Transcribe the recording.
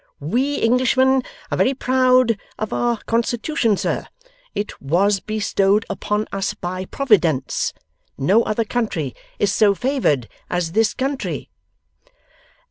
We Englishmen are Very Proud of our Constitution, Sir. It Was Bestowed Upon Us By Providence. No Other Country is so Favoured as This Country.